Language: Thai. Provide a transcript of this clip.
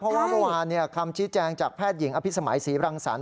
เพราะว่าเมื่อวานคำชี้แจงจากแพทย์หญิงอภิษมัยศรีรังสรรค